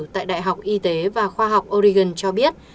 tại đại học y tế và khoa học origan cho biết